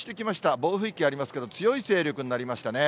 暴風域ありますけど、強い勢力になりましたね。